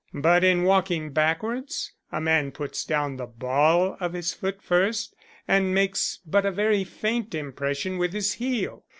But in walking backwards a man puts down the ball of his foot first and makes but a very faint impression with his heel.